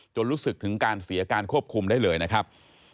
รู้สึกถึงการเสียการควบคุมได้เลยนะครับ